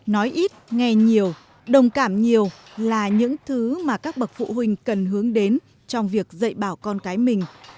nói ít nghe nhiều đồng cảm nhiều là những thứ mà các bậc phụ huynh cần hướng đến trong việc dạy bảo con cái mình